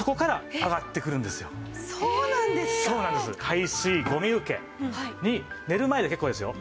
排水ゴミ受けに寝る前で結構ですよ